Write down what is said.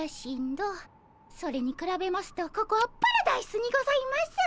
それにくらべますとここはパラダイスにございます。